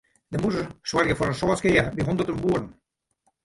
De mûzen soargje foar in soad skea by hûnderten boeren.